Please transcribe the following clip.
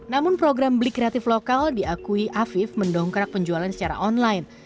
namun program beli kreatif lokal diakui afif mendongkrak penjualan secara online